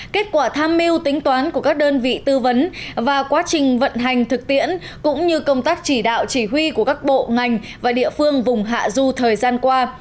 kết quả tham mưu tính toán của các đơn vị tư vấn và quá trình vận hành thực tiễn cũng như công tác chỉ đạo chỉ huy của các bộ ngành và địa phương vùng hạ du thời gian qua